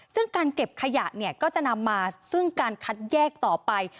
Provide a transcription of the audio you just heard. ซึ่งการเก็บขยะเนี่ยก็จะนำมาซึ่งการคัดแยกต่อไป